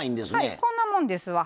こんなもんですわ。